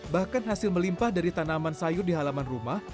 bahkan hasil melimpah dari tanaman sayur di halaman rumah